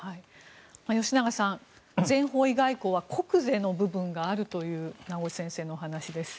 吉永さん、全方位外交は国是の部分があるという名越先生のお話です。